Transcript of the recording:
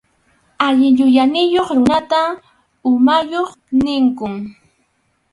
Allin yuyayniyuq runata umayuq ninkum.